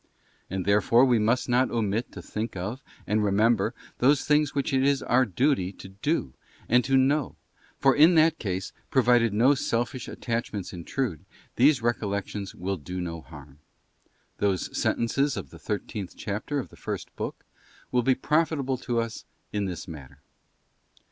And therefore we must not omit to think of, and remember, those things which it is our duty to do and to know; for in that case, provided no selfish attachments intrude, these recollections will do no harm. Those sen tences of the thirteenth chapter of the first book will be profitable to us in this matter.